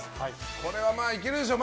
これはいけるでしょう。